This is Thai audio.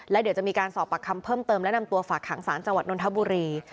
และเดี๋ยวจะมีการสอบปากคำเพิ่มเติมและนำตัวฝากหางศาลจังหวัดนทบุรี